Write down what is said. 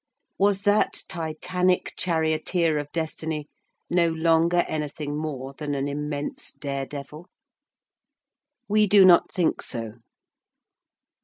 Was that titanic charioteer of destiny no longer anything more than an immense dare devil? We do not think so.